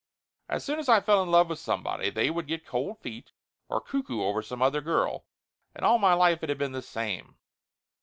As soon as I fell in love with somebody they would get cold feet, or cuckoo over some other girl, and all my life it had been the same.